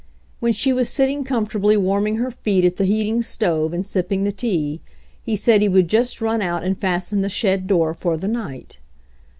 When she was sitting comfortably warming her feet at the heating stove and sip ping the tea, he said he would just run out and fasten the shed door for the night.